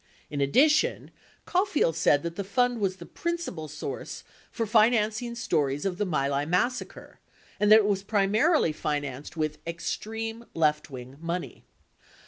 In addition, Caulfield said that the fund was the principal source for financing stories of the Mylai massacre and that it was primarily financed with "extreme leftwing" money.